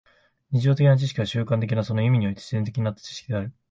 日常的な知識は習慣的な、その意味において自然的になった知識である。